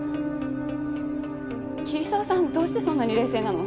桐沢さんどうしてそんなに冷静なの？